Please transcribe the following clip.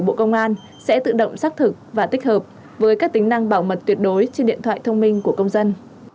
bộ công an sẽ tự động xác thực và tích hợp với các tính năng bảo mật tuyệt đối trên điện thoại thông minh của công dân